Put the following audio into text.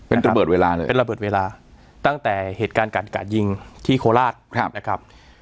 เป็นระเบิดเวลาเลยเป็นระเบิดเวลาตั้งแต่เหตุการณ์กาดยิงที่โคราชนะครับ